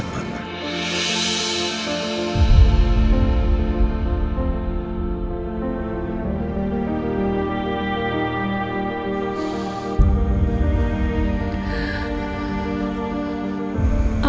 terima kasih ma